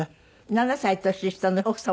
７歳年下の奥様。